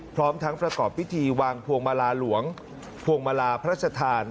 พร้อมทั้งประกอบพิธีวางพวงมาลาหลวงพวงมาลาพระชธาน